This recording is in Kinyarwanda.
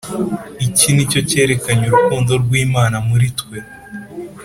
Iki ni cyo cyerekanye urukundo rw’Imana muri twe